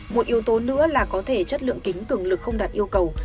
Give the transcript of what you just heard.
một yếu tố nữa là có thể chất lượng kính tưởng lực không đạt yêu cầu